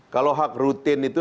kalau hak rutin itu